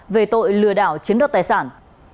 về tội lừa đảo chiếm đoạt tài sản